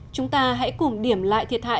chúng ta hãy cùng điểm lại thiệt hại